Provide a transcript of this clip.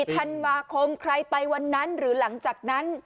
ธันวาคมใครไปวันนั้นหรือหลังจากนั้น